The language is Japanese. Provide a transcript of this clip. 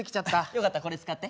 よかったらこれ使って。